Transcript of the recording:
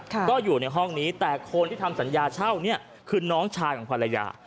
ก็อยู่ในห้องนี้แต่คนที่ทำสัญญาเช่าเนี่ยคือน้องชายของภรรยา